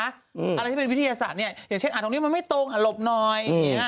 อะไรที่เป็นวิทยาศาสตร์เนี่ยอย่างเช่นตรงนี้มันไม่ตรงหลบหน่อย